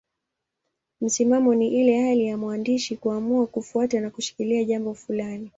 Msimamo ni ile hali ya mwandishi kuamua kufuata na kushikilia jambo fulani.